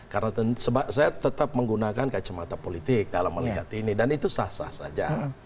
karena saya tetap menggunakan kacamata politik dalam melihat ini dan itu sah sah saja